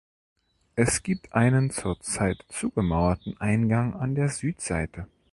Es gibt einen zur Zeit zugemauerten Eingang an der Südseite.